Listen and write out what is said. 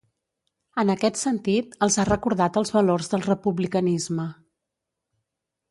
En aquest sentit, els ha recordat els valors del republicanisme.